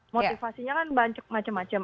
motivasinya kan macam macam